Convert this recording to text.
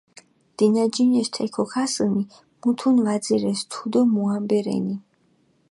დინაჯინეს თე ქოქასჷნი, მუთუნ ვაძირეს თუდო მუამბე რენი.